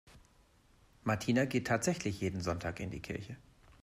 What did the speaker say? Martina geht tatsächlich jeden Sonntag in die Kirche.